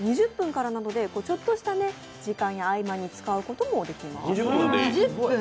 ２０分からなのでちょっとした時間や合間に使うこともできます。